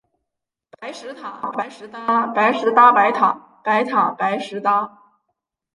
白石塔，白石搭。白石搭白塔，白塔白石搭